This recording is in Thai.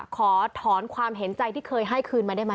ขอถอนความเห็นใจที่เคยให้คืนมาได้ไหม